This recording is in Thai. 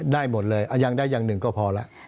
ได้หมดเลยยังได้อย่างหนึ่งก็พอแล้ว